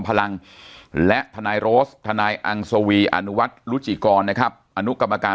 พลังและทนายโรสทนายอังสวีอนุวัฒน์รุจิกรนะครับอนุกรรมการ